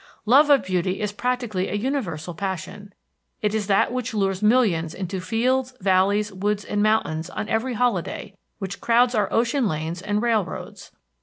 Love of beauty is practically a universal passion. It is that which lures millions into the fields, valleys, woods, and mountains on every holiday, which crowds our ocean lanes and railroads.